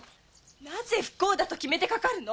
なぜ不幸だと決めてかかるの！？